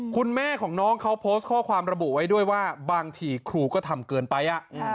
คุณแม่ของน้องเขาโพสต์ข้อความระบุไว้ด้วยว่าบางทีครูก็ทำเกินไป